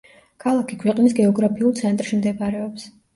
ქალაქი ქვეყნის გეოგრაფიულ ცენტრში მდებარეობს.